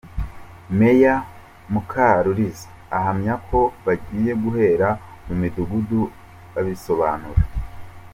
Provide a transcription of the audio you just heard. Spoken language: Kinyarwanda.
Meya Mukaruliza ahamya ko bagiye guhera mu Midugudu babisobanura.